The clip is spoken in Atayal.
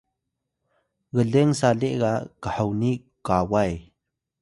gleng sali ga khoni kaway